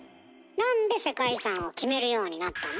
なんで世界遺産を決めるようになったの？